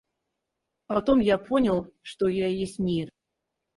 А потом я понял, что я и есть мир.